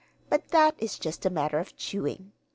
But that is just a matter of chewing.